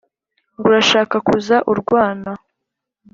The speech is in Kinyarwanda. Ngo urashaka kuza urwana